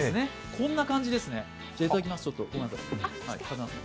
こんな感じですね。